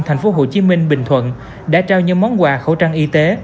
thành phố hồ chí minh bình thuận đã trao những món quà khẩu trang y tế